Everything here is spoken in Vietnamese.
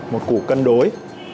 một cụ cân đối